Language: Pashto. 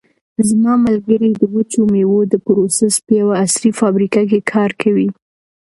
زما ملګری د وچو مېوو د پروسس په یوه عصري فابریکه کې کار کوي.